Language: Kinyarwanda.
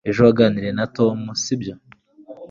ejo waganiriye na tom, sibyo